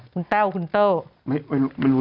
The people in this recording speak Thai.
คุณเต้วคุณเต้วอะไร